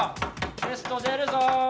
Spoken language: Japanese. テスト出るぞ。